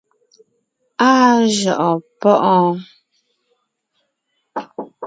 Áa jʉʼɔɔn páʼɔɔn.